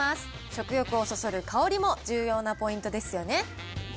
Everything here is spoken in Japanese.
食欲をそそる香りも重要なポイントですよね。